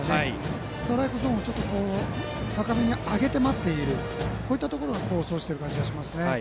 ストライクゾーンを上げて待っているこういったところが功を奏している感じがしますね。